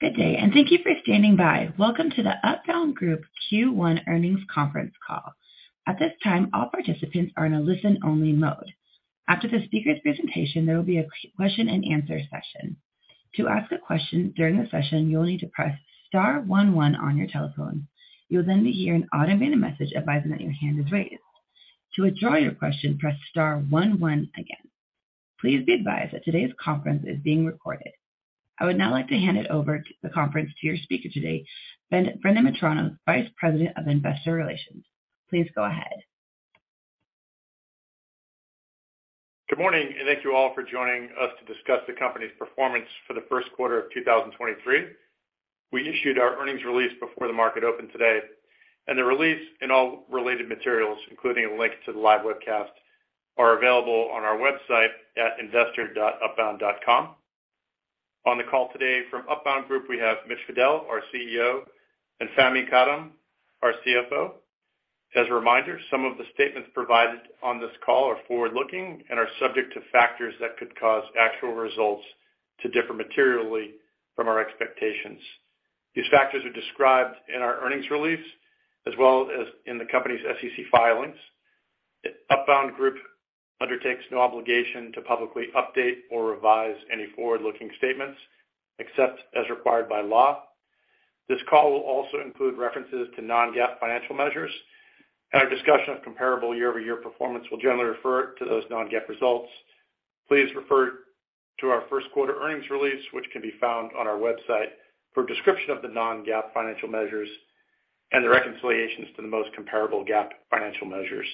Good day. Thank you for standing by. Welcome to the Upbound Group Q1 Earnings Conference Call. At this time, all participants are in a listen-only mode. After the speaker's presentation, there will be a question and answer session. To ask a question during the session, you'll need to press star one one on your telephone. You'll hear an automated message advising that your hand is raised. To withdraw your question, press star one one again. Please be advised that today's conference is being recorded. I would now like to hand it over the conference to your speaker today, Brendan Mettler, Vice President of Investor Relations. Please go ahead. Good morning, and thank you all for joining us to discuss the company's performance for the first quarter of 2023. We issued our earnings release before the market opened today, and the release and all related materials, including a link to the live webcast, are available on our website at investor.upbound.com. On the call today from Upbound Group, we have Mitch Fadel our CEO, and Fahmi Karam, our CFO. As a reminder, some of the statements provided on this call are forward looking and are subject to factors that could cause actual results to differ materially from our expectations. These factors are described in our earnings release as well as in the company's SEC filings. Upbound Group undertakes no obligation to publicly update or revise any forward-looking statements, except as required by law. This call will also include references to non-GAAP financial measures, and our discussion of comparable year-over-year performance will generally refer to those non-GAAP results. Please refer to our first quarter earnings release, which can be found on our website for a description of the non-GAAP financial measures and the reconciliations to the most comparable GAAP financial measures.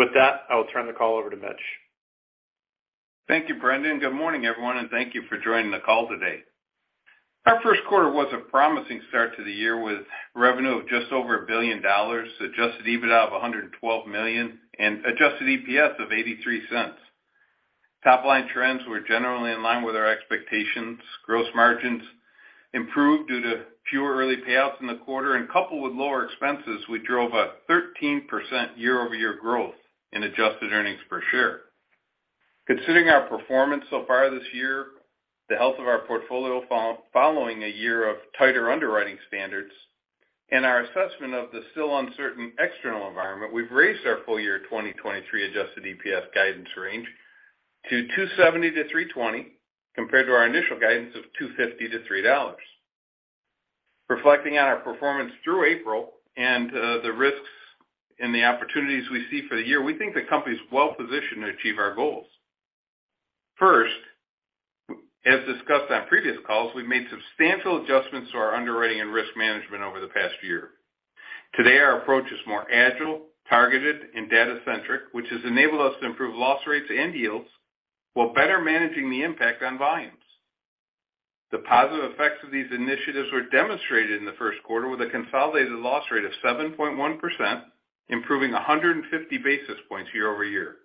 With that, I will turn the call over to Mitch. Thank you, Brendan. Good morning, everyone, and thank you for joining the call today. Our first quarter was a promising start to the year with revenue of just over $1 billion, Adjusted EBITDA of $112 million and adjusted EPS of $0.83. Top line trends were generally in line with our expectations. Gross margins improved due to fewer early payouts in the quarter and coupled with lower expenses, which drove a 13% year-over-year growth in adjusted earnings per share. Considering our performance so far this year, the health of our portfolio following a year of tighter underwriting standards and our assessment of the still uncertain external environment, we've raised our full year 2023 adjusted EPS guidance range to $2.70-$3.20, compared to our initial guidance of $2.50-$3.00. Reflecting on our performance through April and the risks and the opportunities we see for the year, we think the company is well-positioned to achieve our goals. First, as discussed on previous calls, we've made substantial adjustments to our underwriting and risk management over the past year. Today, our approach is more agile, targeted, and data centric, which has enabled us to improve loss rates and yields while better managing the impact on volumes. The positive effects of these initiatives were demonstrated in the first quarter with a consolidated loss rate of 7.1%, improving 150 basis points year-over-year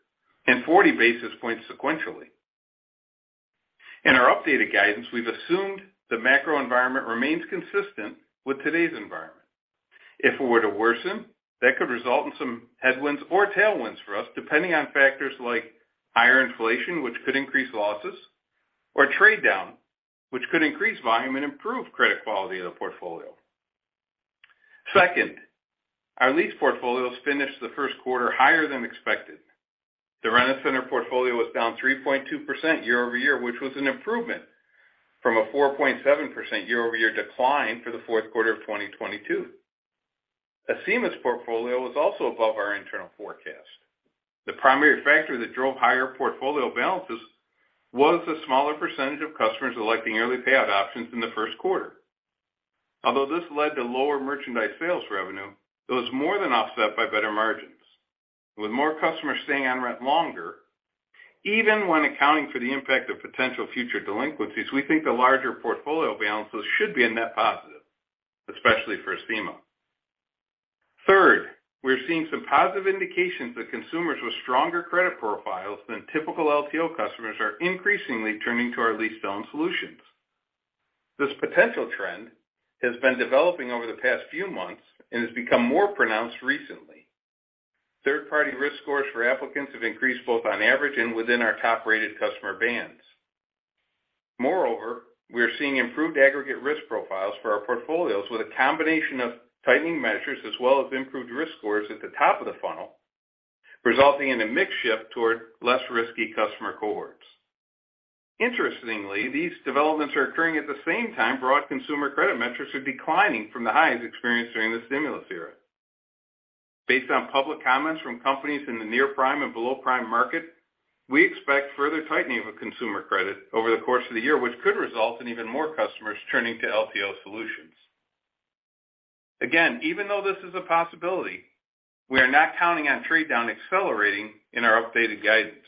and 40 basis points sequentially. In our updated guidance, we've assumed the macro environment remains consistent with today's environment. If it were to worsen, that could result in some headwinds or tailwinds for us, depending on factors like higher inflation, which could increase losses, or trade down, which could increase volume and improve credit quality of the portfolio. Second, our lease portfolios finished the first quarter higher than expected. The Rent-A-Center portfolio was down 3.2% year-over-year, which was an improvement from a 4.7% year-over-year decline for the fourth quarter of 2022. Acima's portfolio was also above our internal forecast. The primary factor that drove higher portfolio balances was the smaller percentage of customers electing early payout options in the first quarter. This led to lower merchandise sales revenue, it was more than offset by better margins. With more customers staying on rent longer, even when accounting for the impact of potential future delinquencies, we think the larger portfolio balances should be a net positive, especially for Acima. Third, we're seeing some positive indications that consumers with stronger credit profiles than typical LTO customers are increasingly turning to our lease-own solutions. This potential trend has been developing over the past few months and has become more pronounced recently. Third-party risk scores for applicants have increased both on average and within our top-rated customer bands. Moreover, we are seeing improved aggregate risk profiles for our portfolios with a combination of tightening measures as well as improved risk scores at the top of the funnel, resulting in a mix shift toward less risky customer cohorts. Interestingly, these developments are occurring at the same time broad consumer credit metrics are declining from the highs experienced during the stimulus era. Based on public comments from companies in the near-prime and below-prime market, we expect further tightening of consumer credit over the course of the year, which could result in even more customers turning to LTO solutions. Even though this is a possibility, we are not counting on trade down accelerating in our updated guidance.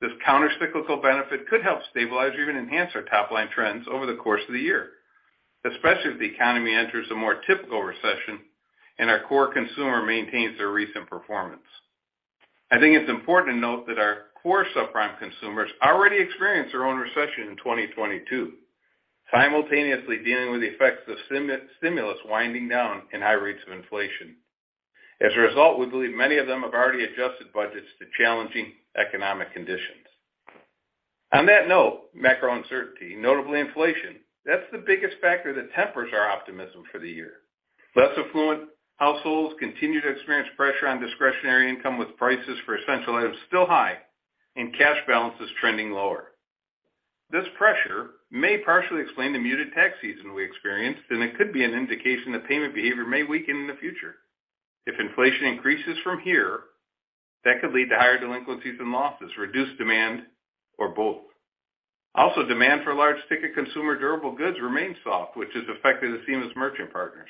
This countercyclical benefit could help stabilize or even enhance our top line trends over the course of the year, especially if the economy enters a more typical recession and our core consumer maintains their recent performance. I think it's important to note that our core subprime consumers already experienced their own recession in 2022, simultaneously dealing with the effects of stimulus winding down and high rates of inflation. As a result, we believe many of them have already adjusted budgets to challenging economic conditions. On that note, macro uncertainty, notably inflation, that's the biggest factor that tempers our optimism for the year. Less affluent households continue to experience pressure on discretionary income with prices for essential items still high and cash balances trending lower. This pressure may partially explain the muted tax season we experienced, and it could be an indication that payment behavior may weaken in the future. If inflation increases from here, that could lead to higher delinquencies and losses, reduced demand, or both. Also, demand for large-ticket consumer durable goods remains soft, which has affected the Acima's merchant partners.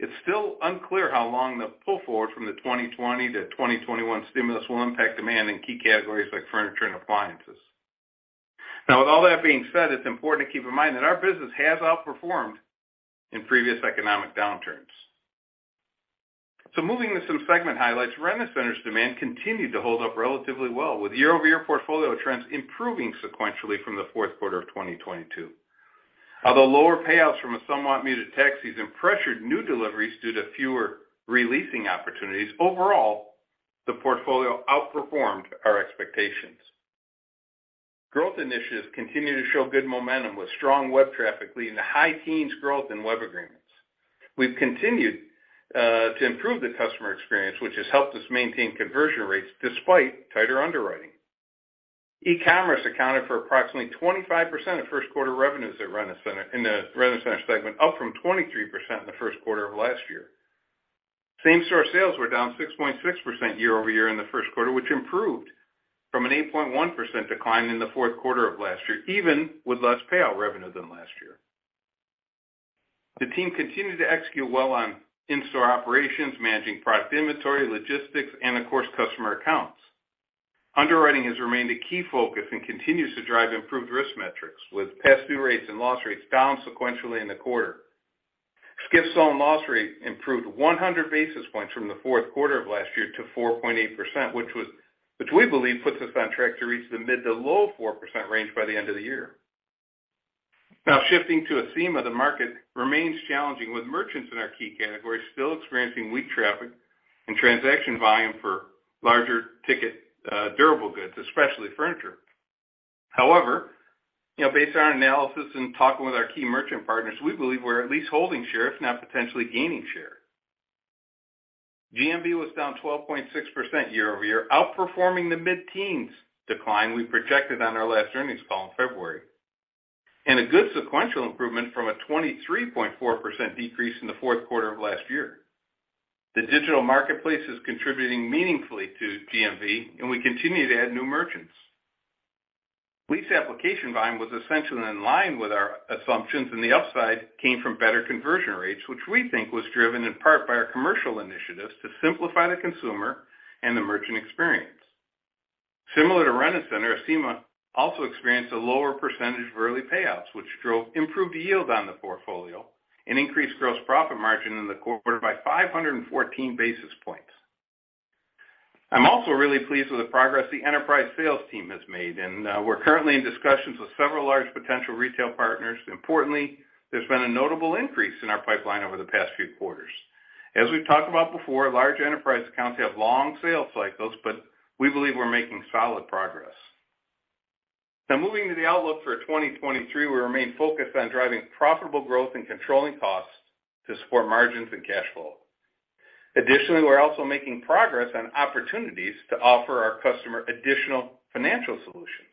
It's still unclear how long the pull-forward from the 2020 to 2021 stimulus will impact demand in key categories like furniture and appliances. Now, with all that being said, it's important to keep in mind that our business has outperformed in previous economic downturns. Moving to some segment highlights, Rent-A-Center's demand continued to hold up relatively well with year-over-year portfolio trends improving sequentially from the fourth quarter of 2022. Although lower payouts from a somewhat muted tax season pressured new deliveries due to fewer re-leasing opportunities, overall, the portfolio outperformed our expectations. Growth initiatives continue to show good momentum with strong web traffic leading to high teens growth in web agreements. We've continued to improve the customer experience, which has helped us maintain conversion rates despite tighter underwriting. E-commerce accounted for approximately 25% of first-quarter revenues in the Rent-A-Center segment, up from 23% in the first quarter of last year. Same-Store Sales were down 6.6% year-over-year in the first quarter, which improved from an 8.1% decline in the fourth quarter of last year, even with less payout revenue than last year. The team continued to execute well on in-store operations, managing product inventory, logistics, and of course, customer accounts. Underwriting has remained a key focus and continues to drive improved risk metrics, with past due rates and loss rates down sequentially in the quarter. Skip/stolen loss rate improved 100 basis points from the fourth quarter of last year to 4.8%, which we believe puts us on track to reach the mid-to-low 4% range by the end of the year. Shifting to Acima, the market remains challenging, with merchants in our key categories still experiencing weak traffic and transaction volume for larger ticket durable goods, especially furniture. You know, based on our analysis in talking with our key merchant partners, we believe we're at least holding share, if not potentially gaining share. GMV was down 12.6% year-over-year, outperforming the mid-teens decline we projected on our last earnings call in February. A good sequential improvement from a 23.4% decrease in the fourth quarter of last year. The digital marketplace is contributing meaningfully to GMV, and we continue to add new merchants. Lease application volume was essentially in line with our assumptions. The upside came from better conversion rates, which we think was driven in part by our commercial initiatives to simplify the consumer and the merchant experience. Similar to Rent-A-Center, Acima also experienced a lower percentage of early payouts, which drove improved yield on the portfolio and increased gross profit margin in the quarter by 514 basis points. I'm also really pleased with the progress the enterprise sales team has made. We're currently in discussions with several large potential retail partners. Importantly, there's been a notable increase in our pipeline over the past few quarters. As we've talked about before, large enterprise accounts have long sales cycles, but we believe we're making solid progress. Now moving to the outlook for 2023, we remain focused on driving profitable growth and controlling costs to support margins and cash flow. We're also making progress on opportunities to offer our customer additional financial solutions.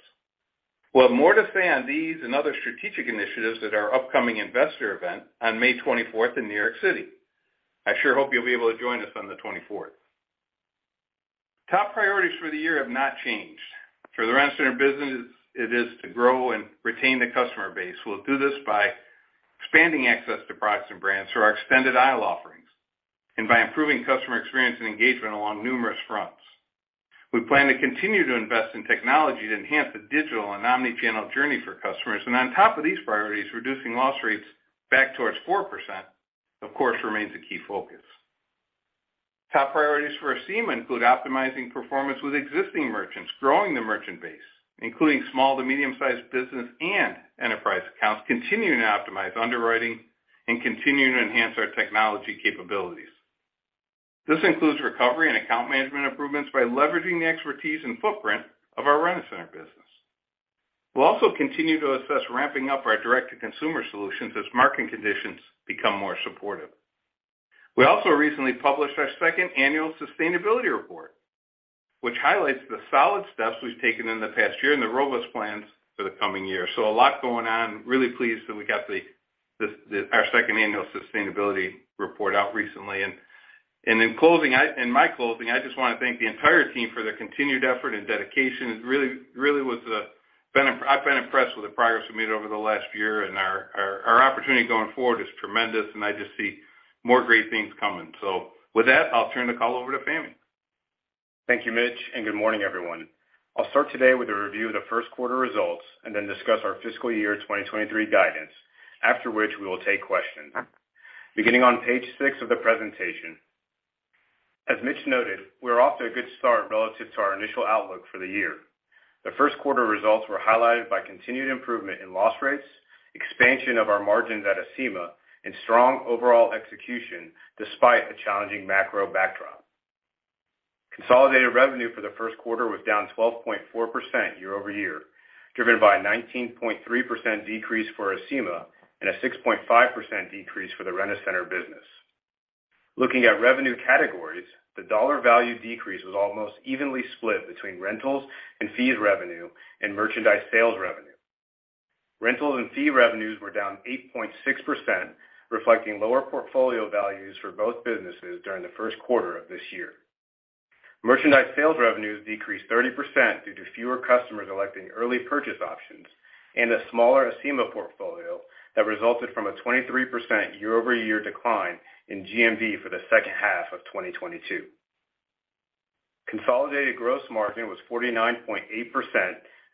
We'll have more to say on these and other strategic initiatives at our upcoming investor event on May 24th in New York City. I sure hope you'll be able to join us on the 24th. Top priorities for the year have not changed. For the Rent-A-Center business, it is to grow and retain the customer base. We'll do this by expanding access to products and brands through our extended aisle offerings and by improving customer experience and engagement along numerous fronts. We plan to continue to invest in technology to enhance the digital and omnichannel journey for customers. On top of these priorities, reducing loss rates back towards 4%, of course, remains a key focus. Top priorities for Acima include optimizing performance with existing merchants, growing the merchant base, including small to medium-sized business and enterprise accounts, continuing to optimize underwriting and continuing to enhance our technology capabilities. This includes recovery and account management improvements by leveraging the expertise and footprint of our Rent-A-Center business. We'll also continue to assess ramping up our direct-to-consumer solutions as market conditions become more supportive. We also recently published our second annual sustainability report, which highlights the solid steps we've taken in the past year and the robust plans for the coming year. A lot going on. Really pleased that we got our second annual sustainability report out recently. In my closing, I just wanna thank the entire team for their continued effort and dedication. It really was, I've been impressed with the progress we made over the last year, and our opportunity going forward is tremendous, and I just see more great things coming. With that, I'll turn the call over to Fahmy. Thank you, Mitch, and good morning, everyone. I'll start today with a review of the first quarter results and then discuss our fiscal year 2023 guidance, after which we will take questions. Beginning on page six of the presentation. As Mitch noted, we're off to a good start relative to our initial outlook for the year. The first quarter results were highlighted by continued improvement in loss rates, expansion of our margins at Acima, and strong overall execution despite a challenging macro backdrop. Consolidated revenue for the first quarter was down 12.4% year-over-year, driven by a 19.3% decrease for Acima and a 6.5% decrease for the Rent-A-Center business. Looking at revenue categories, the dollar value decrease was almost evenly split between rentals and fees revenue and merchandise sales revenue. Rentals and fee revenues were down 8.6%, reflecting lower portfolio values for both businesses during the first quarter of this year. Merchandise sales revenues decreased 30% due to fewer customers electing early purchase options and a smaller Acima portfolio that resulted from a 23% year-over-year decline in GMV for the second half of 2022. Consolidated gross margin was 49.8%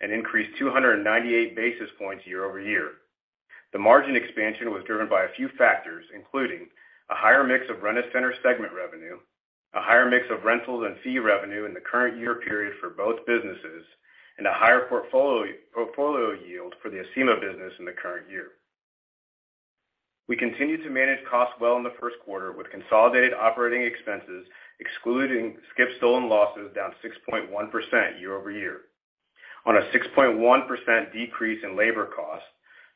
and increased 298 basis points year-over-year. The margin expansion was driven by a few factors, including a higher mix of Rent-A-Center segment revenue, a higher mix of rentals and fee revenue in the current year period for both businesses, and a higher portfolio yield for the Acima business in the current year. We continued to manage costs well in the first quarter with consolidated operating expenses, excluding skip-stolen losses, down 6.1% year-over-year on a 6.1% decrease in labor costs,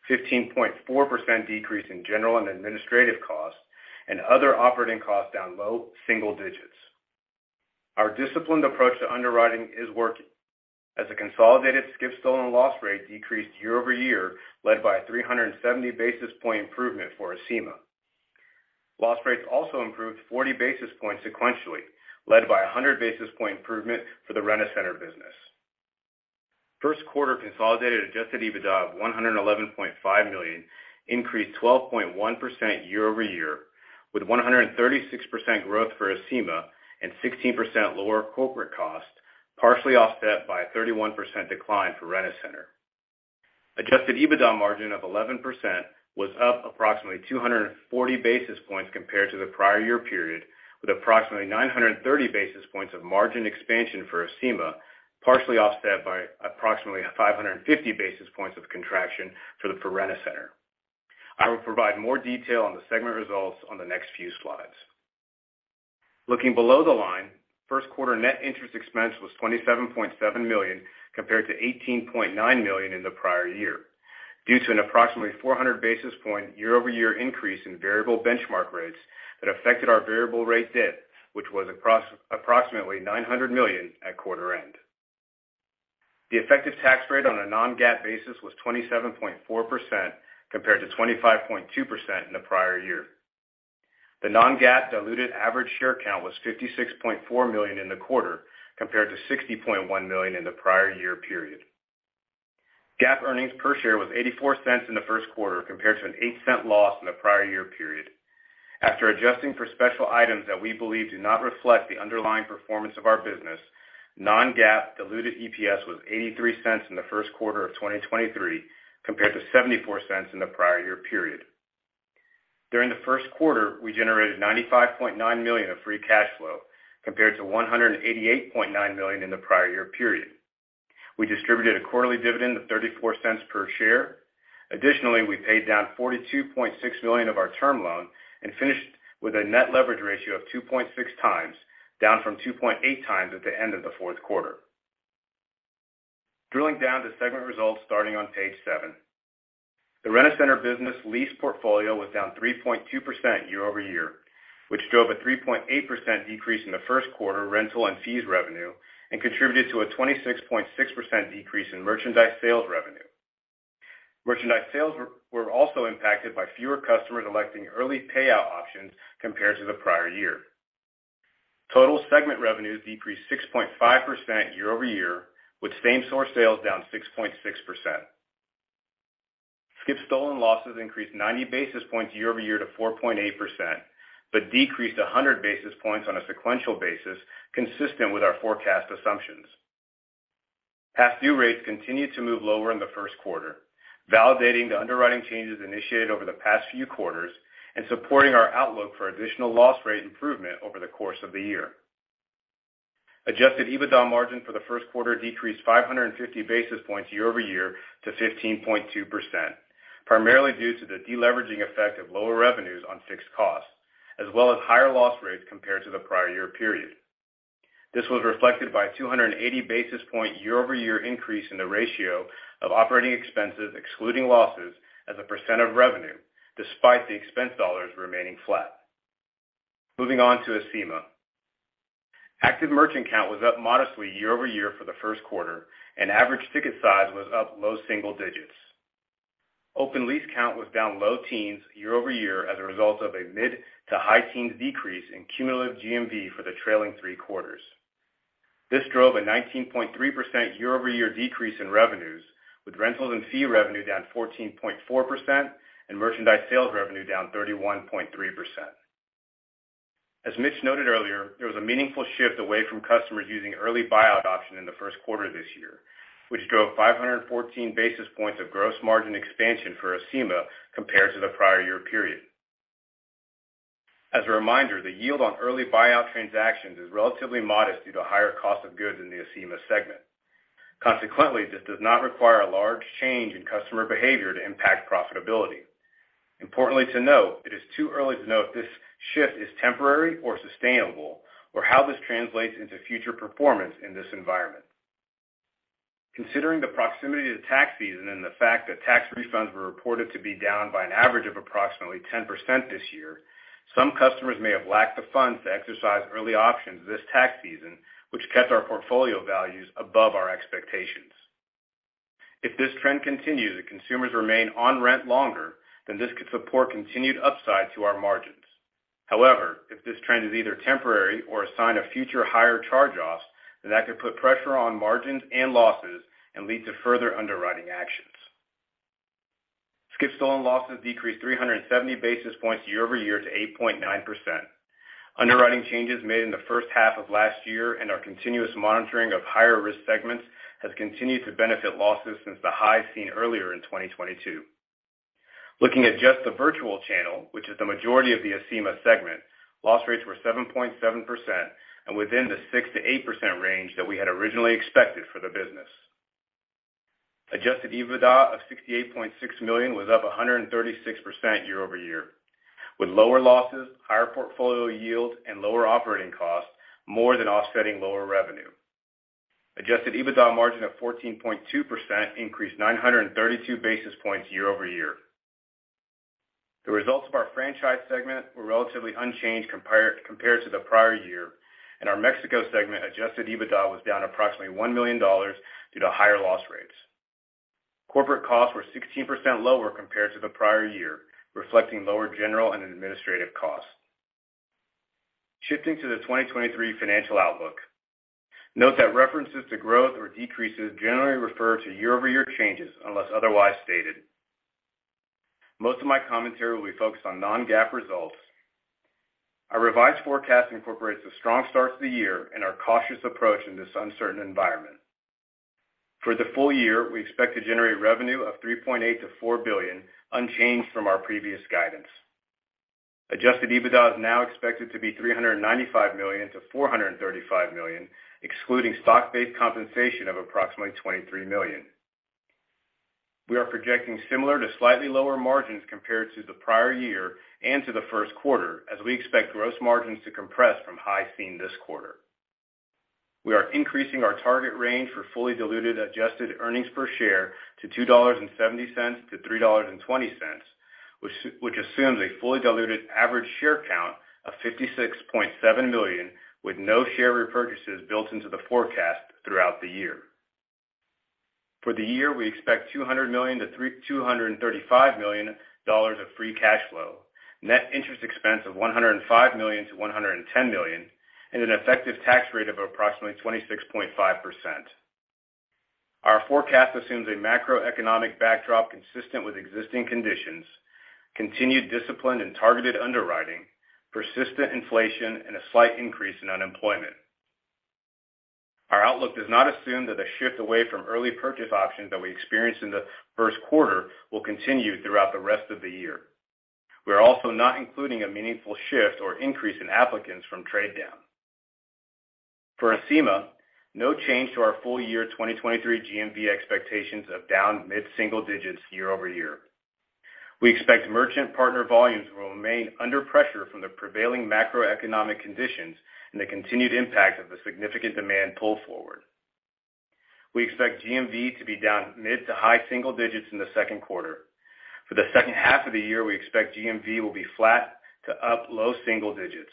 15.4% decrease in general and administrative costs, and other operating costs down low single digits. Our disciplined approach to underwriting is working as a consolidated skip/stolen loss rate decreased year-over-year, led by a 370 basis point improvement for Acima. Loss rates also improved 40 basis points sequentially, led by a 100 basis point improvement for the Rent-A-Center business. First quarter consolidated Adjusted EBITDA of $111.5 million increased 12.1% year-over-year, with 136% growth for Acima and 16% lower corporate costs, partially offset by a 31% decline for Rent-A-Center. Adjusted EBITDA margin of 11% was up approximately 240 basis points compared to the prior year period, with approximately 930 basis points of margin expansion for Acima, partially offset by approximately 550 basis points of contraction for the Rent-A-Center. I will provide more detail on the segment results on the next few slides. Looking below the line, first quarter net interest expense was $27.7 million, compared to $18.9 million in the prior year, due to an approximately 400 basis point year-over-year increase in variable benchmark rates that affected our variable rate debt, which was approximately $900 million at quarter end. The effective tax rate on a non-GAAP basis was 27.4% compared to 25.2% in the prior year. The non-GAAP diluted average share count was $56.4 million in the quarter, compared to $60.1 million in the prior year period. GAAP earnings per share was $0.84 in the first quarter compared to an $0.08 loss in the prior year period. After adjusting for special items that we believe do not reflect the underlying performance of our business, non-GAAP diluted EPS was $0.83 in the first quarter of 2023, compared to $0.74 in the prior year period. During the first quarter, we generated $95.9 million of Free Cash Flow, compared to $188.9 million in the prior year period. We distributed a quarterly dividend of $0.34 per share. Additionally, we paid down $42.6 million of our term loan and finished with a Net Leverage Ratio of 2.6x, down from 2.8x at the end of the fourth quarter. Drilling down to segment results starting on page seven. The Rent-A-Center business lease portfolio was down 3.2% year-over-year, which drove a 3.8% decrease in the first quarter rental and fees revenue and contributed to a 26.6% decrease in merchandise sales revenue. Merchandise sales were also impacted by fewer customers electing early payout options compared to the prior year. Total segment revenues decreased 6.5% year-over-year, with Same-Store Sales down 6.6%. Skip-stolen losses increased 90 basis points year-over-year to 4.8%. Decreased 100 basis points on a sequential basis, consistent with our forecast assumptions. Past due rates continued to move lower in the first quarter, validating the underwriting changes initiated over the past few quarters and supporting our outlook for additional loss rate improvement over the course of the year. Adjusted EBITDA margin for the first quarter decreased 550 basis points year-over-year to 15.2%, primarily due to the deleveraging effect of lower revenues on fixed costs, as well as higher loss rates compared to the prior year period. This was reflected by a 280 basis point year-over-year increase in the ratio of operating expenses, excluding losses as a percent of revenue, despite the expense dollars remaining flat. Moving on to Acima. Active merchant count was up modestly year-over-year for the first quarter, and average ticket size was up low single digits. Open lease count was down low teens year-over-year as a result of a mid-to-high teens decrease in cumulative GMV for the trailing three quarters. This drove a 19.3% year-over-year decrease in revenues, with rentals and fee revenue down 14.4% and merchandise sales revenue down 31.3%. As Mitch noted earlier, there was a meaningful shift away from customers using Early Buyout option in the first quarter this year, which drove 514 basis points of gross margin expansion for Acima compared to the prior year period. As a reminder, the yield on Early Buyout transactions is relatively modest due to higher cost of goods in the Acima segment. Consequently, this does not require a large change in customer behavior to impact profitability. Importantly to note, it is too early to know if this shift is temporary or sustainable, or how this translates into future performance in this environment. Considering the proximity to tax season and the fact that tax refunds were reported to be down by an average of approximately 10% this year, some customers may have lacked the funds to exercise early options this tax season, which kept our portfolio values above our expectations. If this trend continues and consumers remain on rent longer, then this could support continued upside to our margins. However, if this trend is either temporary or a sign of future higher charge-offs, then that could put pressure on margins and losses and lead to further underwriting actions. Skip stolen losses decreased 370 basis points year-over-year to 8.9%. Underwriting changes made in the first half of last year and our continuous monitoring of higher risk segments has continued to benefit losses since the high seen earlier in 2022. Looking at just the virtual channel, which is the majority of the Acima segment, loss rates were 7.7% and within the 6%-8% range that we had originally expected for the business. Adjusted EBITDA of $68.6 million was up 136% year-over-year, with lower losses, higher portfolio yield and lower operating costs more than offsetting lower revenue. Adjusted EBITDA margin of 14.2% increased 932 basis points year-over-year. The results of our franchise segment were relatively unchanged compared to the prior year. Our Mexico segment Adjusted EBITDA was down approximately $1 million due to higher loss rates. Corporate costs were 16% lower compared to the prior year, reflecting lower general and administrative costs. Shifting to the 2023 financial outlook. Note that references to growth or decreases generally refer to year-over-year changes unless otherwise stated. Most of my commentary will be focused on non-GAAP results. Our revised forecast incorporates a strong start to the year and our cautious approach in this uncertain environment. For the full year, we expect to generate revenue of $3.8 billion-$4 billion, unchanged from our previous guidance. Adjusted EBITDA is now expected to be $395 million-$435 million, excluding stock-based compensation of approximately $23 million. We are projecting similar to slightly lower margins compared to the prior year and to the first quarter as we expect gross margins to compress from highs seen this quarter. We are increasing our target range for fully diluted adjusted EPS to $2.70-$3.20, which assumes a fully diluted average share count of 56.7 million with no share repurchases built into the forecast throughout the year. For the year, we expect $200 million-$235 million of Free Cash Flow, net interest expense of $105 million-$110 million, and an effective tax rate of approximately 26.5%. Our forecast assumes a macroeconomic backdrop consistent with existing conditions, continued discipline and targeted underwriting, persistent inflation and a slight increase in unemployment. Our outlook does not assume that the shift away from early purchase options that we experienced in the first quarter will continue throughout the rest of the year. We are also not including a meaningful shift or increase in applicants from trade down. For Acima, no change to our full year 2023 GMV expectations of down mid-single digits year-over-year. We expect merchant partner volumes will remain under pressure from the prevailing macroeconomic conditions and the continued impact of the significant demand pull forward. We expect GMV to be down mid to high single digits in the second quarter. For the second half of the year, we expect GMV will be flat to up low single digits.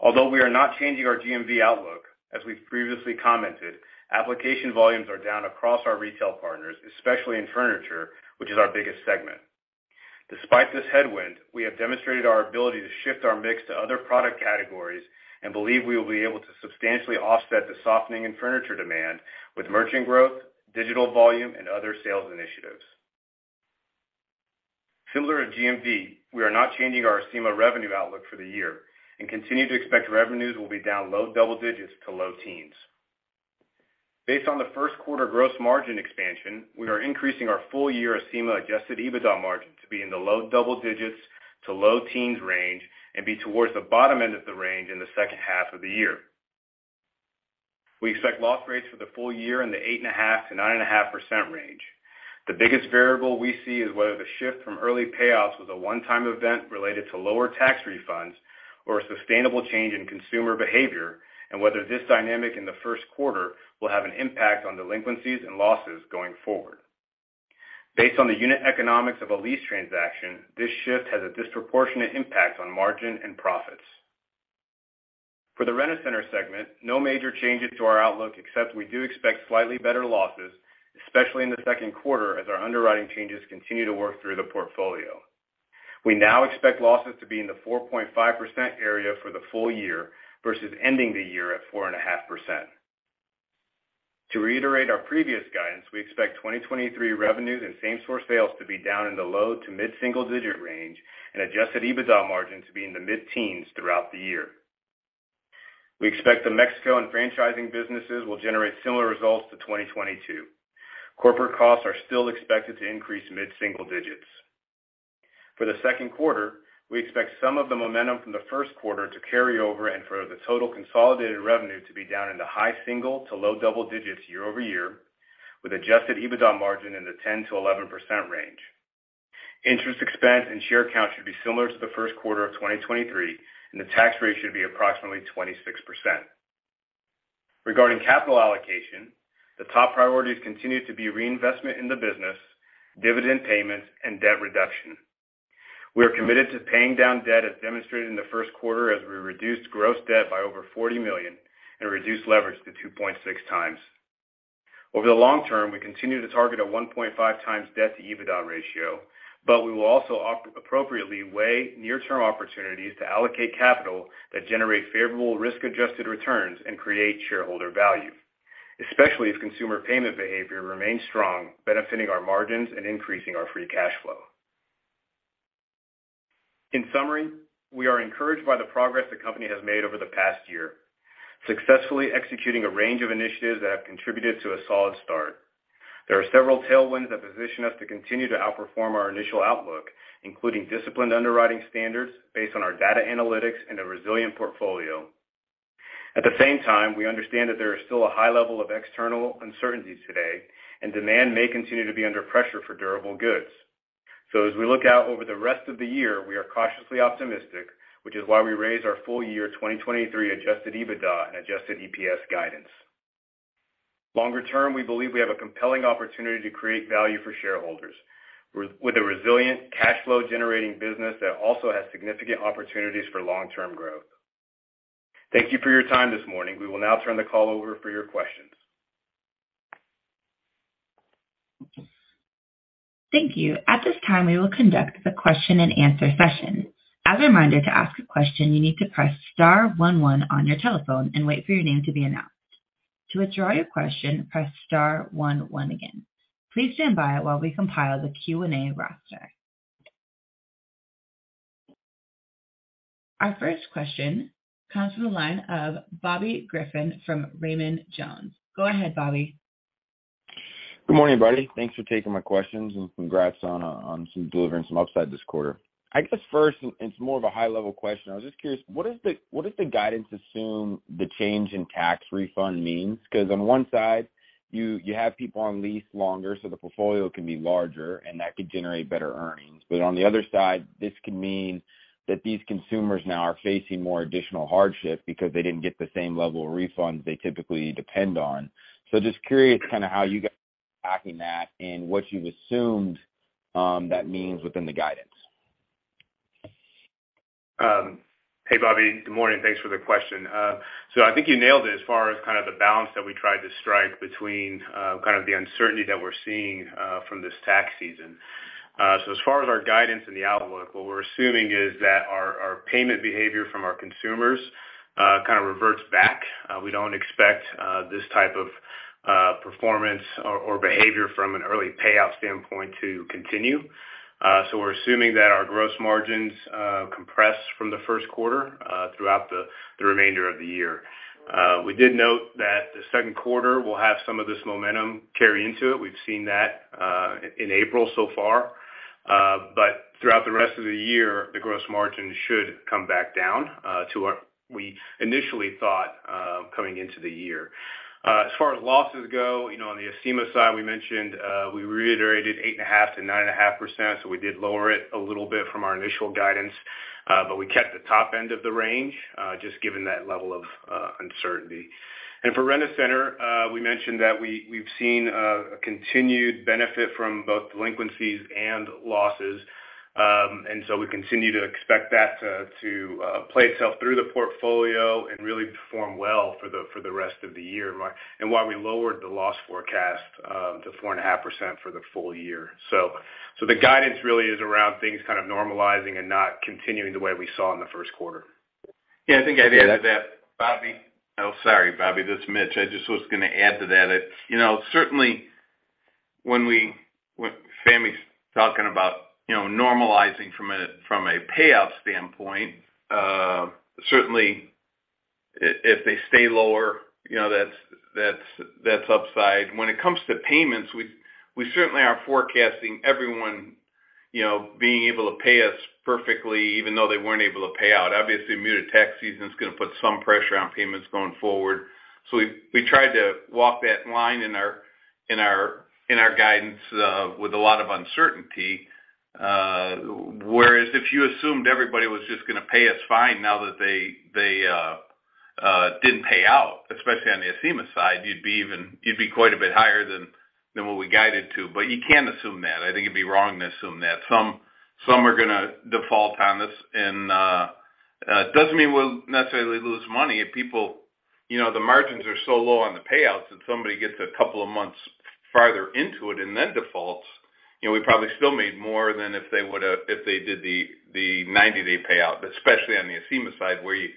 Although we are not changing our GMV outlook, as we've previously commented, application volumes are down across our retail partners, especially in furniture, which is our biggest segment. Despite this headwind, we have demonstrated our ability to shift our mix to other product categories and believe we will be able to substantially offset the softening in furniture demand with merchant growth, digital volume and other sales initiatives. Similar to GMV, we are not changing our Acima revenue outlook for the year and continue to expect revenues will be down low double digits to low teens. Based on the first quarter gross margin expansion, we are increasing our full year Acima Adjusted EBITDA margin to be in the low double digits to low teens range and be towards the bottom end of the range in the second half of the year. We expect loss rates for the full year in the 8.5%-9.5% range. The biggest variable we see is whether the shift from early payoffs was a one-time event related to lower tax refunds or a sustainable change in consumer behavior, and whether this dynamic in the first quarter will have an impact on delinquencies and losses going forward. Based on the unit economics of a lease transaction, this shift has a disproportionate impact on margin and profits. For the Rent-A-Center segment, no major changes to our outlook, except we do expect slightly better losses, especially in the second quarter as our underwriting changes continue to work through the portfolio. We now expect losses to be in the 4.5% area for the full year versus ending the year at 4.5%. To reiterate our previous guidance, we expect 2023 revenues and Same-Store Sales to be down in the low-to-mid-single-digit range and Adjusted EBITDA margin to be in the mid-teens throughout the year. We expect the Mexico and franchising businesses will generate similar results to 2022. Corporate costs are still expected to increase mid-single digits. For the second quarter, we expect some of the momentum from the first quarter to carry over and for the total consolidated revenue to be down in the high-single-to-low-double-digits year-over-year, with Adjusted EBITDA margin in the 10%-11% range. Interest expense and share count should be similar to the first quarter of 2023, and the tax rate should be approximately 26%. Regarding capital allocation, the top priorities continue to be reinvestment in the business, dividend payments and debt reduction. We are committed to paying down debt as demonstrated in the first quarter as we reduced gross debt by over $40 million and reduced leverage to 2.6x. Over the long term, we continue to target a 1.5x Debt-to-EBITDA Ratio, we will also appropriately weigh near-term opportunities to allocate capital that generate favorable risk-adjusted returns and create shareholder value, especially if consumer payment behavior remains strong, benefiting our margins and increasing our Free Cash Flow. In summary, we are encouraged by the progress the company has made over the past year, successfully executing a range of initiatives that have contributed to a solid start. There are several tailwinds that position us to continue to outperform our initial outlook, including disciplined underwriting standards based on our data analytics and a resilient portfolio. At the same time, we understand that there is still a high level of external uncertainties today and demand may continue to be under pressure for durable goods. As we look out over the rest of the year, we are cautiously optimistic, which is why we raised our full year 2023 Adjusted EBITDA and adjusted EPS guidance. Longer term, we believe we have a compelling opportunity to create value for shareholders with a resilient cash flow generating business that also has significant opportunities for long-term growth. Thank you for your time this morning. We will now turn the call over for your questions. Thank you. At this time, we will conduct the question and answer session. As a reminder, to ask a question, you need to press star one one on your telephone and wait for your name to be announced. To withdraw your question, press star one one again. Please stand by while we compile the Q&A roster. Our first question comes from the line of Bobby Griffin from Raymond James. Go ahead, Bobby. Good morning, everybody. Thanks for taking my questions and congrats on some delivering some upside this quarter. I guess first, it's more of a high level question. I was just curious, what does the guidance assume the change in tax refund means? Because on one side you have people on lease longer, the portfolio can be larger and that could generate better earnings. On the other side, this could mean that these consumers now are facing more additional hardship because they didn't get the same level of refunds they typically depend on. Just curious kind of how you guys are attacking that and what you've assumed that means within the guidance. Hey, Bobby. Good morning. Thanks for the question. I think you nailed it as far as kind of the balance that we tried to strike between, kind of the uncertainty that we're seeing, from this tax season. As far as our guidance and the outlook, what we're assuming is that our payment behavior from our consumers, kind of reverts back. We don't expect this type of performance or behavior from an early payoff standpoint to continue. We're assuming that our gross margins compress from the first quarter throughout the remainder of the year. We did note that the second quarter will have some of this momentum carry into it. We've seen that in April so far. Throughout the rest of the year, the gross margin should come back down to what we initially thought coming into the year. As far as losses go, you know, on the Acima side, we mentioned we reiterated 8.5%-9.5%. So we did lower it a little bit from our initial guidance, but we kept the top end of the range just given that level of uncertainty. For Rent-A-Center, we mentioned that we've seen a continued benefit from both delinquencies and losses. So we continue to expect that to play itself through the portfolio and really perform well for the rest of the year. While we lowered the loss forecast to 4.5% for the full year. The guidance really is around things kind of normalizing and not continuing the way we saw in the first quarter. Yeah, I think I'd add to that, Bobby. Oh, sorry, Bobby. This is Mitch. I just was gonna add to that. You know, certainly when Fahmy's talking about, you know, normalizing from a payoff standpoint, certainly if they stay lower, you know, that's upside. When it comes to payments, we certainly aren't forecasting everyone, you know, being able to pay us perfectly even though they weren't able to pay out. Obviously, a muted tax season is gonna put some pressure on payments going forward. We tried to walk that line in our guidance with a lot of uncertainty. Whereas if you assumed everybody was just gonna pay us fine now that they didn't pay out, especially on the Acima side, you'd be quite a bit higher than what we guided to. You can't assume that. I think it'd be wrong to assume that. Some are gonna default on this and it doesn't mean we'll necessarily lose money. If people, you know, the margins are so low on the payouts, if somebody gets a couple of months farther into it and then defaults, you know, we probably still made more than if they would've, if they did the 90-day payout, especially on the Acima side, where you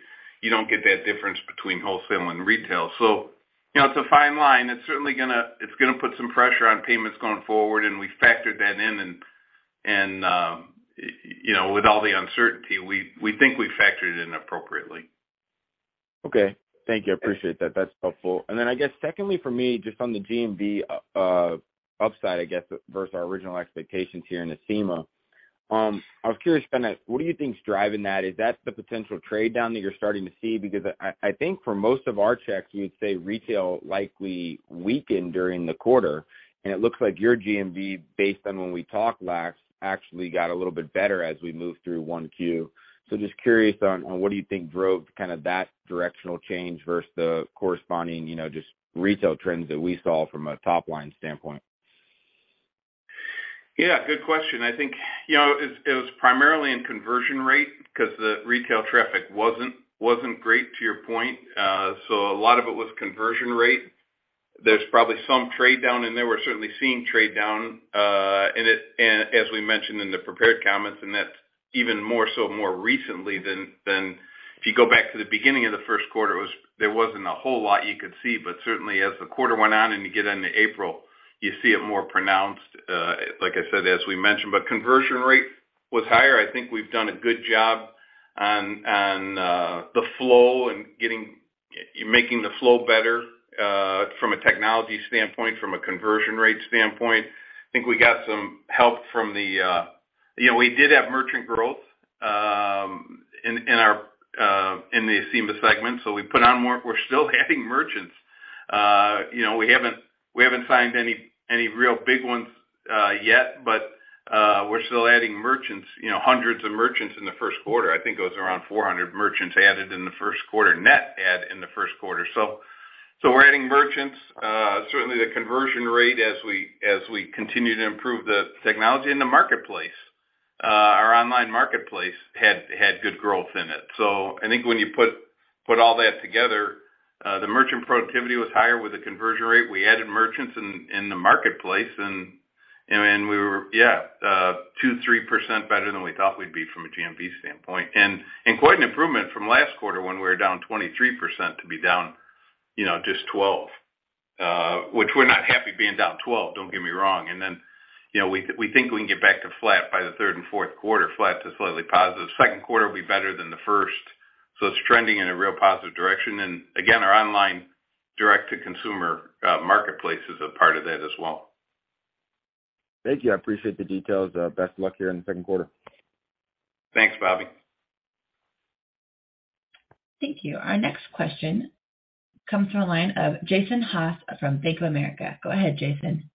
don't get that difference between wholesale and retail. You know, it's a fine line. It's certainly gonna put some pressure on payments going forward, and we factored that in and, you know, with all the uncertainty, we think we factored in appropriately. Okay. Thank you. I appreciate that. That's helpful. I guess secondly, for me, just on the GMV upside, I guess, versus our original expectations here in the Acima. I was curious then, what do you think is driving that? Is that the potential trade-down that you're starting to see? Because I think for most of our checks, you'd say retail likely weakened during the quarter, and it looks like your GMV, based on when we talked last, actually got a little bit better as we moved through 1Q. Just curious on what do you think drove kind of that directional change versus the corresponding, you know, just retail trends that we saw from a top-line standpoint. Yeah, good question. I think, you know, it was primarily in conversion rate because the retail traffic wasn't great, to your point. A lot of it was conversion rate. There's probably some trade down in there. We're certainly seeing trade down in it, as we mentioned in the prepared comments, and that's even more so more recently than. If you go back to the beginning of the first quarter, there wasn't a whole lot you could see. Certainly as the quarter went on and you get into April, you see it more pronounced, like I said, as we mentioned. Conversion rate was higher. I think we've done a good job on the flow and making the flow better from a technology standpoint, from a conversion rate standpoint. I think we got some help from the. You know, we did have merchant growth in our Acima segment, so we put on more. We're still adding merchants. You know, we haven't signed any real big ones yet, but we're still adding merchants, you know, hundreds of merchants in the first quarter. I think it was around 400 merchants added in the first quarter, net add in the first quarter. We're adding merchants. Certainly the conversion rate as we continue to improve the technology in the marketplace. Our online marketplace had good growth in it. I think when you put all that together, the merchant productivity was higher with the conversion rate. We added merchants in the marketplace and then we were, yeah, 2%, 3% better than we thought we'd be from a GMV standpoint. Quite an improvement from last quarter when we were down 23% to be down, you know, just 12%. Which we're not happy being down 12%, don't get me wrong. You know, we think we can get back to flat by the 3rd and 4th quarter, flat to slightly positive. 2nd quarter will be better than the 1st, so it's trending in a real positive direction. Again, our online direct-to-consumer marketplace is a part of that as well. Thank you. I appreciate the details. Best of luck here in the second quarter. Thanks, Bobby. Thank you. Our next question comes from a line of Jason Haas from Bank of America. Go ahead, Jason.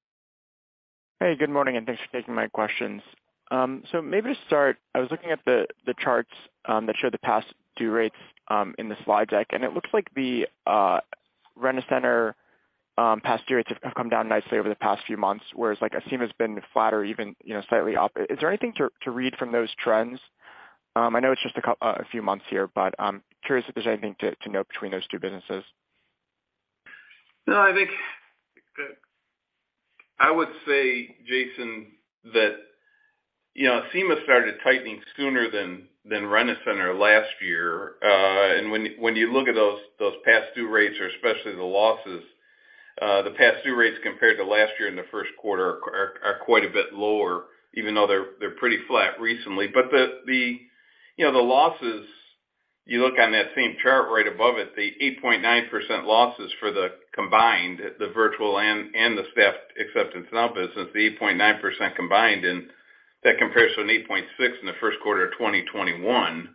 Good morning, and thanks for taking my questions. Maybe to start, I was looking at the charts that show the past due rates in the slide deck, it looks like the Rent-A-Center past due rates have come down nicely over the past few months, whereas like Acima has been flatter even, you know, slightly up. Is there anything to read from those trends? I know it's just a few months here, but I'm curious if there's anything to note between those two businesses. I would say, Jason, that, you know, Acima started tightening sooner than Rent-A-Center last year. When you look at those past due rates, or especially the losses, the past due rates compared to last year in the first quarter are quite a bit lower, even though they're pretty flat recently. You know, the losses, you look on that same chart right above it, the 8.9% losses for the combined, the virtual and the staffed acceptance now business, the 8.9% combined, and that compares to an 8.6% in the first quarter of 2021,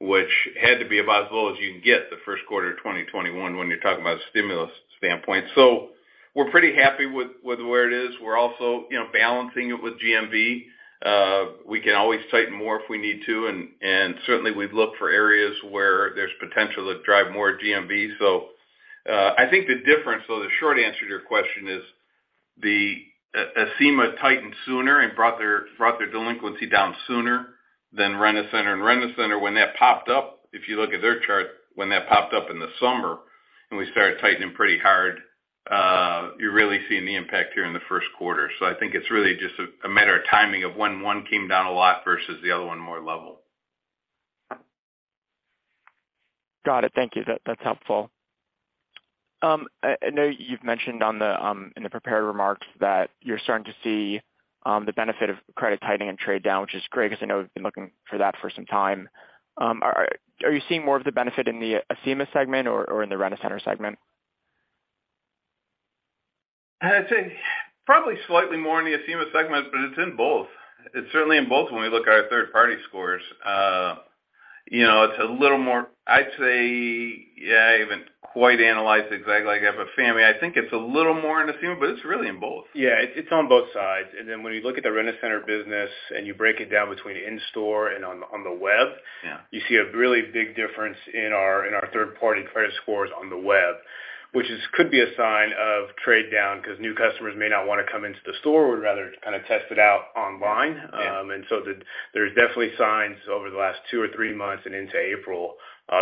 which had to be about as low as you can get the first quarter of 2021 when you're talking about a stimulus standpoint. We're pretty happy with where it is. We're also, you know, balancing it with GMV. We can always tighten more if we need to, and certainly we'd look for areas where there's potential to drive more GMV. I think the difference, though, the short answer to your question is, Acima tightened sooner and brought their delinquency down sooner than Rent-A-Center. Rent-A-Center, when that popped up, if you look at their chart, when that popped up in the summer and we started tightening pretty hard, you're really seeing the impact here in the first quarter. I think it's really just a matter of timing of when one came down a lot versus the other one more level. Got it. Thank you. That's helpful. I know you've mentioned on the in the prepared remarks that you're starting to see the benefit of credit tightening and trade-down, which is great because I know we've been looking for that for some time. Are you seeing more of the benefit in the Acima segment or in the Rent-A-Center segment? I'd say probably slightly more in the Acima segment, but it's in both. It's certainly in both when we look at our third-party scores. you know, it's a little more. I'd say, yeah, I haven't quite analyzed exactly, like, I have a Fahmi. I think it's a little more in Acima, but it's really in both. Yeah. It's on both sides. When you look at the Rent-A-Center business and you break it down between in-store and on the web. Yeah. You see a really big difference in our third-party credit scores on the web, which is could be a sign of trade-down because new customers may not wanna come into the store, would rather kind of test it out online. There's definitely signs over the last two or three months and into April,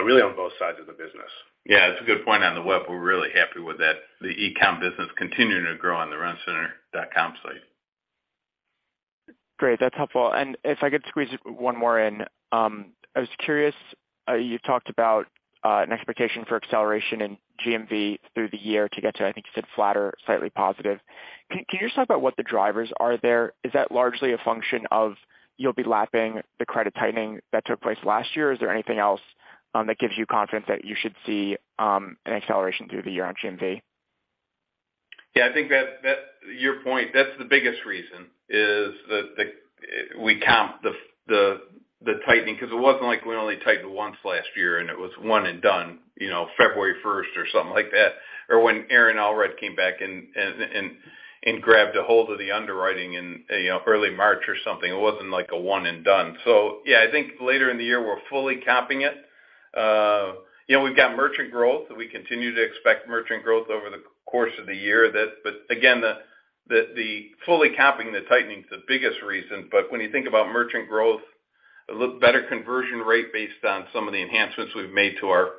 really on both sides of the business. Yeah. It's a good point. On the web, we're really happy with that. The e-com business continuing to grow on the rentacenter.com site. Great. That's helpful. If I could squeeze one more in. I was curious, you talked about an expectation for acceleration in GMV through the year to get to, I think you said flatter, slightly positive. Can you just talk about what the drivers are there? Is that largely a function of you'll be lapping the credit tightening that took place last year? Is there anything else that gives you confidence that you should see an acceleration through the year on GMV? Yeah, I think that your point, that's the biggest reason, is that the, we count the tightening because it wasn't like we only tightened once last year, and it was one and done, you know, February first or something like that. Or when Aaron Allred came back and grabbed a hold of the underwriting in, you know, early March or something. It wasn't like a one and done. Yeah, I think later in the year, we're fully capping it. You know, we've got merchant growth. We continue to expect merchant growth over the course of the year. Again, the fully capping the tightening is the biggest reason. When you think about merchant growth, a little better conversion rate based on some of the enhancements we've made to our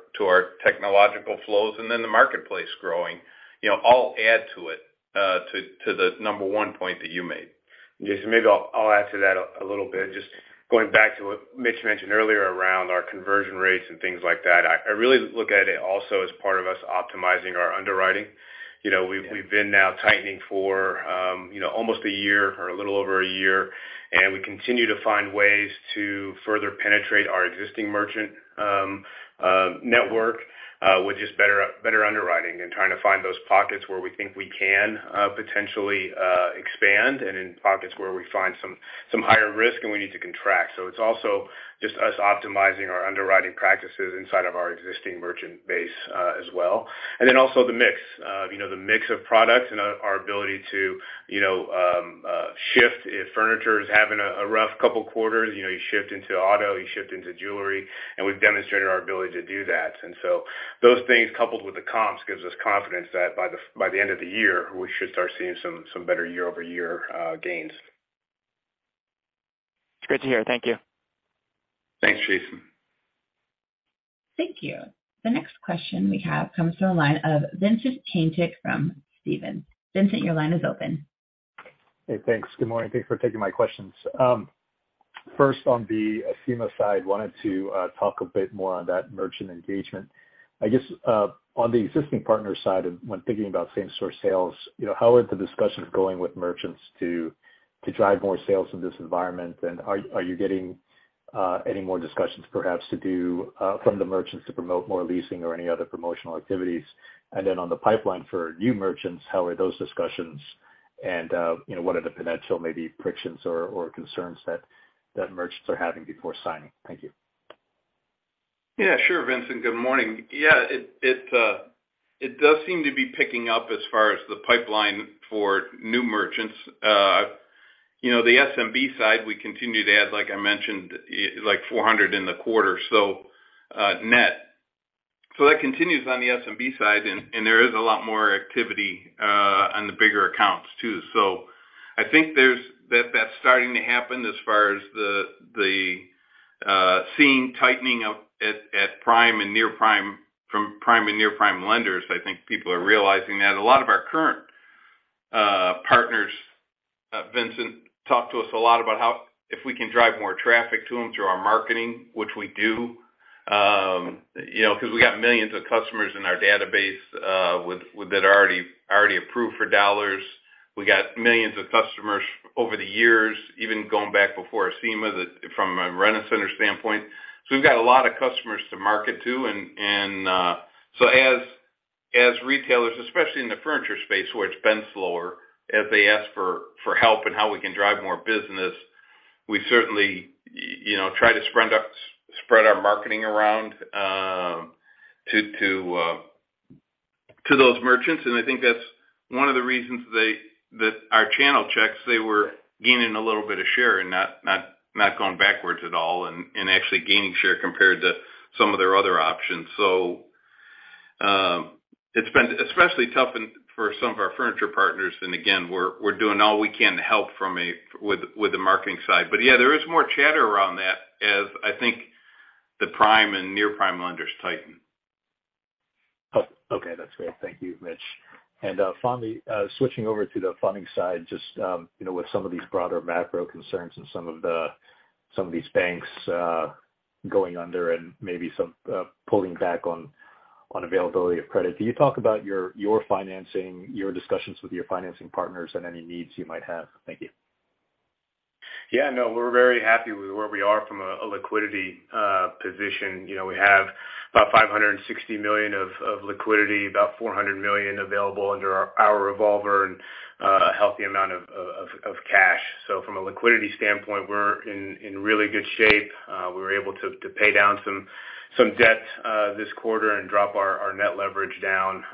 technological flows, and then the marketplace growing, you know, all add to it, to the number one point that you made. Yes. Maybe I'll add to that a little bit. Just going back to what Mitch mentioned earlier around our conversion rates and things like that. I really look at it also as part of us optimizing our underwriting. You know. Yeah. We've been now tightening for, you know, almost a year or a little over a year, and we continue to find ways to further penetrate our existing merchant network, with just better underwriting and trying to find those pockets where we think we can potentially expand and in pockets where we find some higher risk, and we need to contract. It's also just us optimizing our underwriting practices inside of our existing merchant base, as well. Also the mix. You know, the mix of products and our ability to, you know, shift. If furniture is having a rough couple quarters, you know, you shift into auto, you shift into jewelry, and we've demonstrated our ability to do that. Those things, coupled with the comps, gives us confidence that by the end of the year, we should start seeing some better year-over-year gains. It's great to hear. Thank you. Thanks, Jason. Thank you. The next question we have comes from the line of Vincent Caintic from Stephens. Vincent, your line is open. Hey, thanks. Good morning. Thanks for taking my questions. First, on the Acima side, wanted to talk a bit more on that merchant engagement. I guess on the existing partner side of when thinking about Same-Store Sales, you know, how are the discussions going with merchants to drive more sales in this environment? Are you getting any more discussions perhaps to do from the merchants to promote more leasing or any other promotional activities? On the pipeline for new merchants, how are those discussions and, you know, what are the potential maybe frictions or concerns that merchants are having before signing? Thank you. Yeah, sure, Vincent. Good morning. Yeah, it does seem to be picking up as far as the pipeline for new merchants. You know, the SMB side, we continue to add, like I mentioned, like 400 in the quarter, net. That continues on the SMB side, and there is a lot more activity, on the bigger accounts, too. I think there's that's starting to happen as far as the seeing tightening of from prime and near prime lenders. I think people are realizing that. A lot of our current partners, Vincent, talk to us a lot about how if we can drive more traffic to them through our marketing, which we do, you know, because we got millions of customers in our database that are already approved for dollars. We got millions of customers over the years, even going back before Acima, from a Rent-A-Center standpoint. We've got a lot of customers to market to. As retailers, especially in the furniture space where it's been slower, as they ask for help and how we can drive more business, we certainly, you know, try to spread our marketing around to those merchants. I think that's one of the reasons that our channel checks, they were gaining a little bit of share and not going backwards at all and actually gaining share compared to some of their other options. It's been especially tough for some of our furniture partners. Again, we're doing all we can to help with the marketing side. Yeah, there is more chatter around that as I think the prime and near-prime lenders tighten. Oh, okay. That's great. Thank you, Mitch. Finally, switching over to the funding side, just, you know, with some of these broader macro concerns and some of the, some of these banks going under and maybe some pulling back on availability of credit, can you talk about your financing, your discussions with your financing partners and any needs you might have? Thank you. Yeah, no, we're very happy with where we are from a liquidity position. You know, we have about $560 million of liquidity, about $400 million available under our revolver and a healthy amount of cash. From a liquidity standpoint, we're in really good shape. We were able to pay down some debt this quarter and drop our net leverage down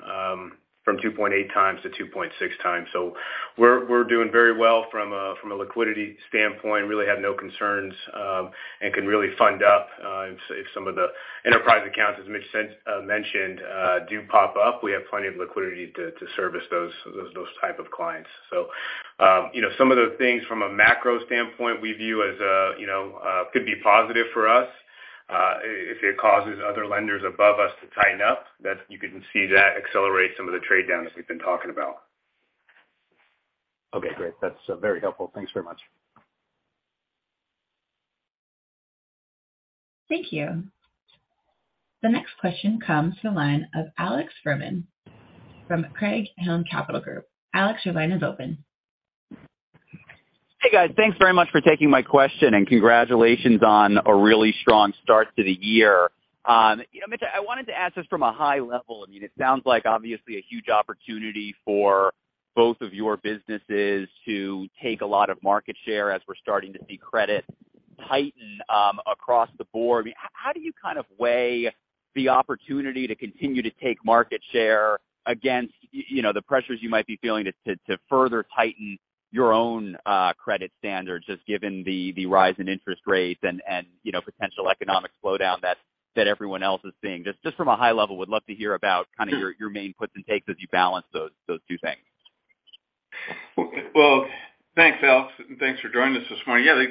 from 2.8x to 2.6x. We're doing very well from a liquidity standpoint. Really have no concerns and can really fund up if some of the enterprise accounts, as Mitch said, mentioned, do pop up. We have plenty of liquidity to service those type of clients. You know, some of the things from a macro standpoint we view as, you know, could be positive for us. If it causes other lenders above us to tighten up, you can see that accelerate some of the trade downs that we've been talking about. Okay, great. That's very helpful. Thanks very much. Thank you. The next question comes to the line of Alex Fuhrman from Craig-Hallum Capital Group. Alex, your line is open. Hey, guys. Thanks very much for taking my question, and congratulations on a really strong start to the year. Mitch, I wanted to ask just from a high level, I mean, it sounds like obviously a huge opportunity for both of your businesses to take a lot of market share as we're starting to see credit tighten across the board. How do you kind of weigh the opportunity to continue to take market share against, you know, the pressures you might be feeling to further tighten your own credit standards, just given the rise in interest rates and, you know, potential economic slowdown that everyone else is seeing? Just from a high level, would love to hear about kind of your main puts and takes as you balance those two things. Well, thanks, Alex, and thanks for joining us this morning. Yeah,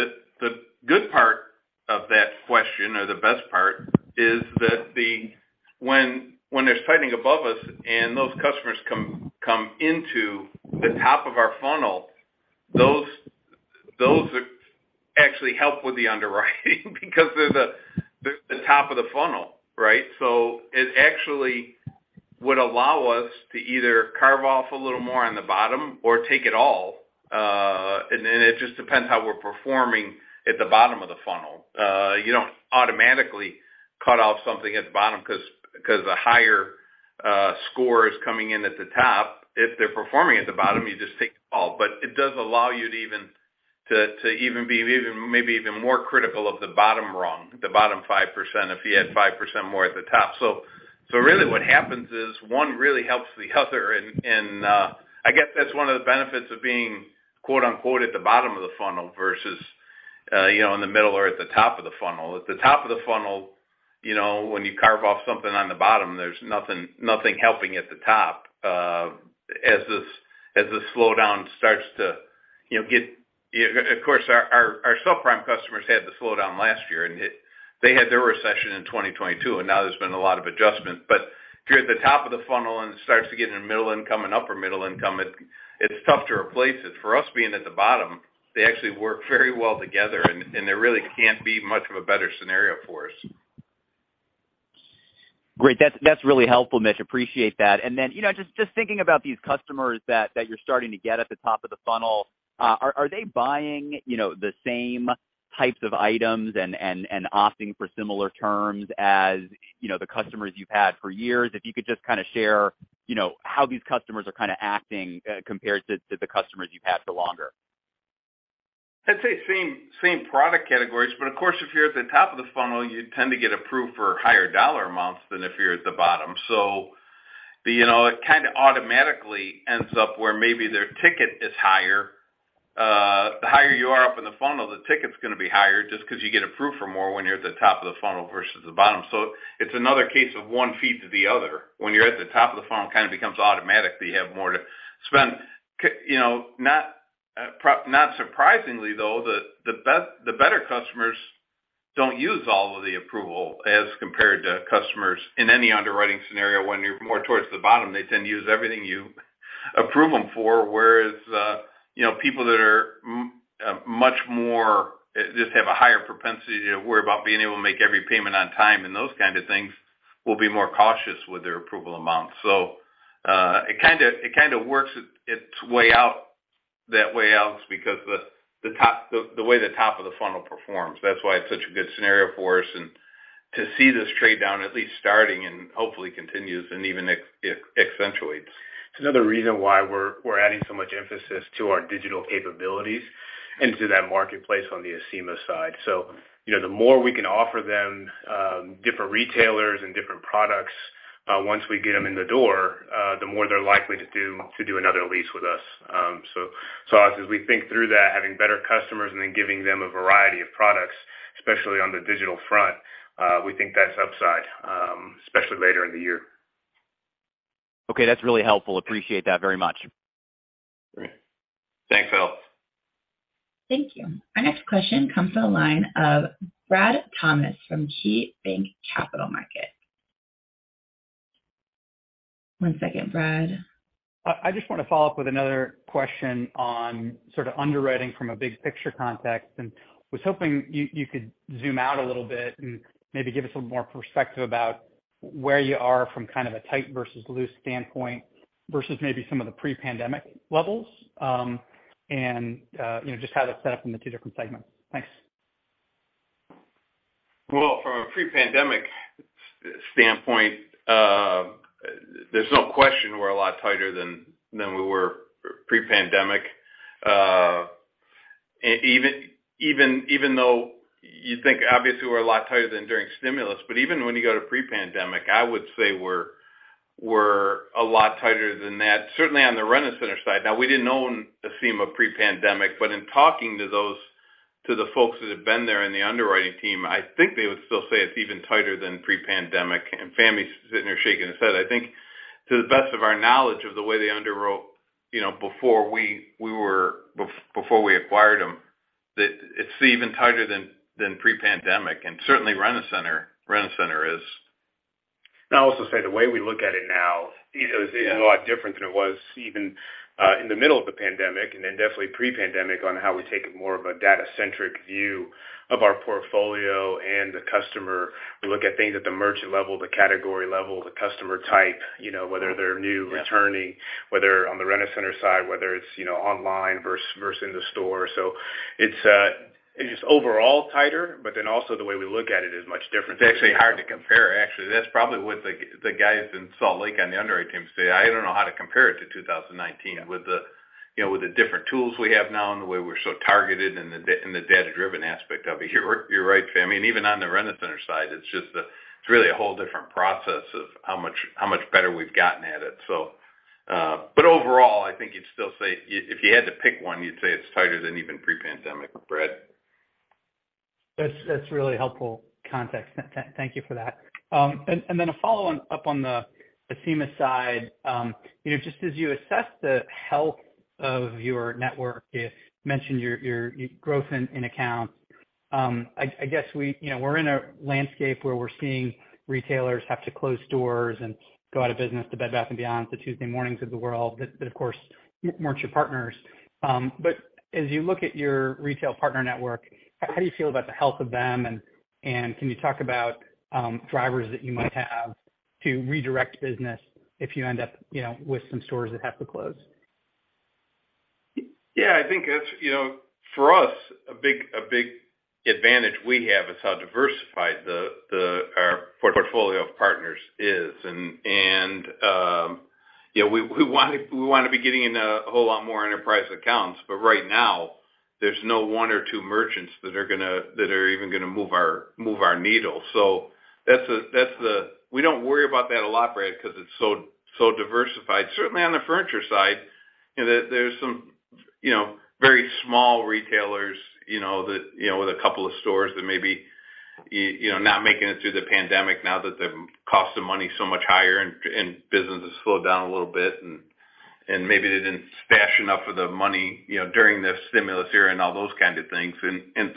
the good part of that question or the best part is that the When there's tightening above us and those customers come into the top of our funnel, those actually help with the underwriting because they're the top of the funnel, right? It actually would allow us to either carve off a little more on the bottom or take it all, and then it just depends how we're performing at the bottom of the funnel. You don't automatically cut off something at the bottom 'cause the higher score is coming in at the top. If they're performing at the bottom, you just take it all. It does allow you to even to even be even maybe even more critical of the bottom rung, the bottom 5% if you had 5% more at the top. Really what happens is one really helps the other. I guess that's one of the benefits of being, quote-unquote, "at the bottom of the funnel" versus, you know, in the middle or at the top of the funnel. At the top of the funnel, you know, when you carve off something on the bottom, there's nothing helping at the top, as this slowdown starts to, you know. Of course, our subprime customers had the slowdown last year. They had their recession in 2022, and now there's been a lot of adjustment. If you're at the top of the funnel and it starts to get into middle income and upper middle income, it's tough to replace it. For us being at the bottom, they actually work very well together and there really can't be much of a better scenario for us. Great. That's really helpful, Mitch. Appreciate that. You know, just thinking about these customers that you're starting to get at the top of the funnel, are they buying, you know, the same types of items and opting for similar terms as, you know, the customers you've had for years? If you could just kinda share, you know, how these customers are kinda acting compared to the customers you've had for longer. I'd say same product categories. Of course, if you're at the top of the funnel, you tend to get approved for higher dollar amounts than if you're at the bottom. You know, it kinda automatically ends up where maybe their ticket is higher. The higher you are up in the funnel, the ticket's gonna be higher just 'cause you get approved for more when you're at the top of the funnel versus the bottom. It's another case of one feed to the other. When you're at the top of the funnel, it kinda becomes automatic that you have more to spend. You know, not surprisingly, though, the better customers don't use all of the approval as compared to customers in any underwriting scenario. When you're more towards the bottom, they tend to use everything you approve them for, whereas, you know, people that are much more, just have a higher propensity to worry about being able to make every payment on time and those kinds of things will be more cautious with their approval amounts. It kinda works its way out, that way out because the way the top of the funnel performs. That's why it's such a good scenario for us. To see this trade down at least starting and hopefully continues and even accentuates. It's another reason why we're adding so much emphasis to our digital capabilities and to that marketplace on the Acima side. You know, the more we can offer them, different retailers and different products, once we get them in the door, the more they're likely to do another lease with us. As we think through that, having better customers and then giving them a variety of products, especially on the digital front, we think that's upside, especially later in the year. Okay, that's really helpful. Appreciate that very much. Great. Thanks, Alex. Thank you. Our next question comes to the line of Brad Thomas from KeyBanc Capital Markets. One second, Brad. I just wanna follow up with another question on sort of underwriting from a big picture context, and was hoping you could zoom out a little bit and maybe give us some more perspective about where you are from kind of a tight versus loose standpoint versus maybe some of the pre-pandemic levels. You know, just how that's set up in the two different segments. Thanks. Well, from a pre-pandemic standpoint, there's no question we're a lot tighter than we were pre-pandemic. Even though you think obviously we're a lot tighter than during stimulus, even when you go to pre-pandemic, I would say we're a lot tighter than that, certainly on the Rent-A-Center side. We didn't own Acima pre-pandemic, in talking to the folks that have been there in the underwriting team, I think they would still say it's even tighter than pre-pandemic. Fahmi's sitting here shaking his head. I think to the best of our knowledge of the way they underwrote, you know, before we acquired them, that it's even tighter than pre-pandemic. Certainly Rent-A-Center isAlso say the way we look at it now is a lot different than it was even in the middle of the pandemic, and then definitely pre-pandemic on how we take more of a data-centric view of our portfolio and the customer. We look at things at the merchant level, the category level, the customer type, you know, whether they're. Yeah. returning, whether on the Rent-A-Center side, whether it's, you know, online versus in the store. It's just overall tighter. Also, the way we look at it is much different. It's actually hard to compare actually. That's probably what the guys in Salt Lake on the underwriting team say, "I don't know how to compare it to 2019." With the, you know, with the different tools we have now and the data-driven aspect of it. You're, you're right, Fahmi, I mean, even on the Rent-A-Center side, it's just that it's really a whole different process of how much better we've gotten at it. Overall, I think you'd still say if you had to pick one, you'd say it's tighter than even pre-pandemic, Brad. That's really helpful context. Thank you for that. Then a follow-on, up on the Acima side. You know, just as you assess the health of your network, you mentioned your growth in accounts. I guess we, you know, we're in a landscape where we're seeing retailers have to close stores and go out of business, the Bed Bath & Beyond, the Tuesday Morning of the world that of course merchant partners. As you look at your retail partner network, how do you feel about the health of them and can you talk about drivers that you might have to redirect business if you end up, you know, with some stores that have to close? Yeah, I think that's, you know, for us, a big advantage we have is how diversified our portfolio of partners is. You know, we wanna be getting in a whole lot more enterprise accounts, but right now, there's no one or two merchants that are even gonna move our needle. That's the we don't worry about that a lot, Brad, 'cause it's so diversified. Certainly on the furniture side, you know, there's some, you know, very small retailers, you know, that, with a couple of stores that maybe, you know, not making it through the Pandemic now that the cost of money is so much higher and business has slowed down a little bit, and maybe they didn't stash enough of the money, you know, during the stimulus era and all those kinds of things. There's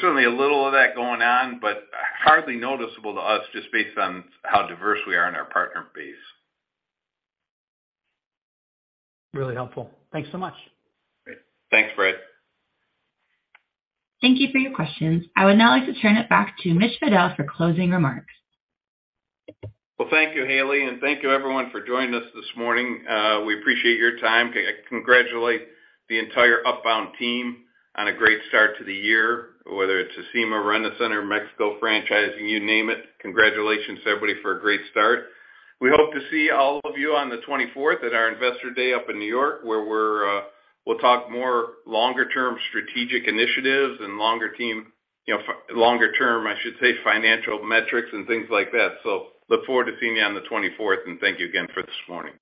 certainly a little of that going on, but hardly noticeable to us just based on how diverse we are in our partner base. Really helpful. Thanks so much. Great. Thanks, Brad. Thank you for your questions. I would now like to turn it back to Mitchell Fadel for closing remarks. Well, thank you, Haley, and thank you everyone for joining us this morning. We appreciate your time. congratulate the entire Upbound team on a great start to the year, whether it's Acima, Rent-A-Center, Mexico franchising, you name it. Congratulations, everybody, for a great start. We hope to see all of you on the 24th at our Investor Day up in New York, where we'll talk more longer-term strategic initiatives and longer term, I should say, financial metrics and things like that. look forward to seeing you on the 24th, and thank you again for this morning.